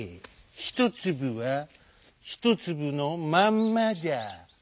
ひとつぶはひとつぶのまんまじゃ」。